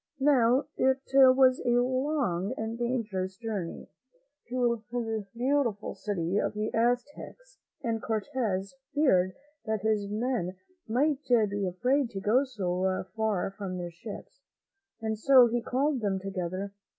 Now, it was a long and dangerous journey to the beautiful city of the Aztecs, and Cortez feared that his men might be afraid to go so far from their ships, so he called them together.